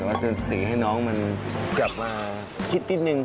แต่ว่าจะสติให้น้องมันกลับมาคิดนิดหนึ่ง